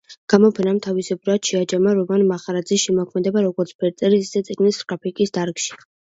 გამოფენამ თავისებურად შეაჯამა რომან მახარაძის შემოქმედება როგორც ფერწერის, ისე წიგნის გრაფიკის დარგში.